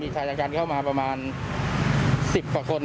ทางรายการเข้ามาประมาณ๑๐กว่าคน